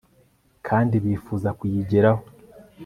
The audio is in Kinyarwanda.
kandi bifuza kuyigeraho